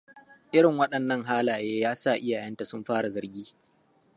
Irin waɗannan halaye ya sa iyayenta sun fara zargi.